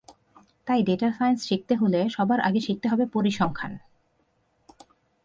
তাই data science শিখতে হলে সবার আগে শিখতে হবে পরিসংখ্যান।